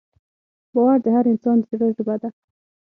باور د هر انسان د زړه ژبه ده.